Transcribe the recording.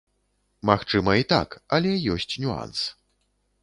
Магчыма і так, але ёсць нюанс.